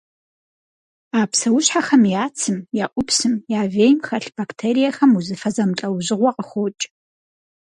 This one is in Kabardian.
А псэущхьэхэм я цым, я ӏупсым, я вейм хэлъ бактериехэм узыфэ зэмылӏэужьыгъуэ къыхокӏ.